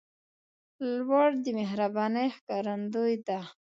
• لور د مهربانۍ ښکارندوی ده.